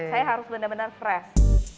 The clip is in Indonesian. saya harus benar benar fresh